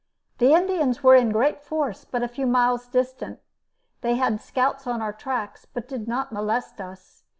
The Indians were in great force but a few miles distant. They had scouts on our tracks, but did not molest us.